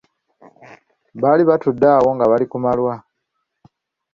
Baali batudde awo nga bali ku malwa.